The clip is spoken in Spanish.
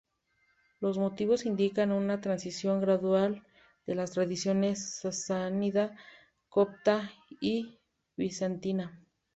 Los motivos indicaban una transición gradual de las tradiciones sasánida, copta y bizantina.